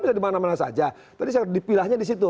bisa dimana mana saja tadi saya dipilahnya di situ